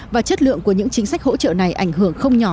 và chất lượng của những chính sách hỗ trợ này ảnh hưởng không nhỏ